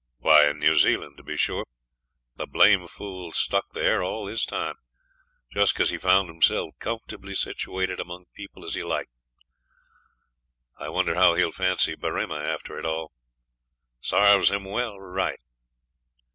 'Why, in New Zealand, to be sure. The blamed fool stuck there all this time, just because he found himself comfortably situated among people as he liked. I wonder how he'll fancy Berrima after it all? Sarves him well right.'